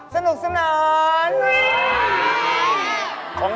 สนุกสนาน